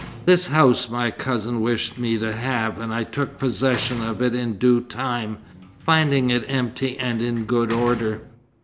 This house my cousin wished me to have, and I took possession of it in due time, finding it empty and in good order.